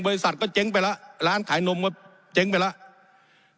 บริษัทก็เจ๊งไปแล้วร้านขายนมก็เจ๊งไปแล้ว